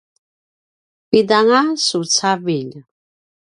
pida anga su cavilj?